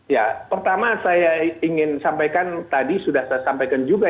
ya pertama saya ingin sampaikan tadi sudah saya sampaikan juga